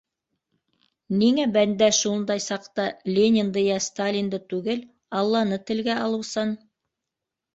Ниңә бәндә шундай саҡта Ленинды йә Сталинды түгел, Алланы телгә алыусан?!